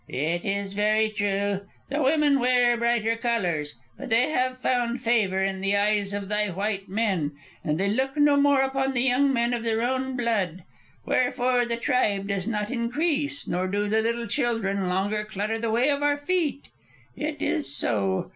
"It is very true. The women wear brighter colors. But they have found favor, in the eyes of thy white men, and they look no more upon the young men of their own blood. Wherefore the tribe does not increase, nor do the little children longer clutter the way of our feet. It is so.